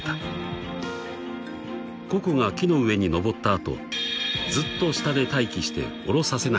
［ココが木の上に登った後ずっと下で待機して下ろさせなかった］